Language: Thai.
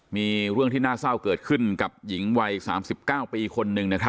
มีเรื่องที่น่าเศร้าเกิดขึ้นกับหญิงวัย๓๙ปีคนหนึ่ง